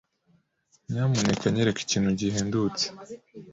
Nyamuneka nyereka ikintu gihendutse.